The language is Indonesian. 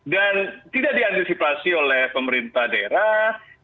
dan tidak diantisipasi oleh pemerintah daerah